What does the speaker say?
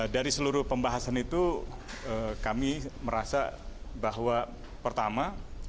dari seluruh pembahasan itu kami merasa bahwa pertama